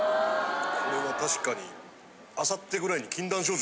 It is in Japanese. これは確かに。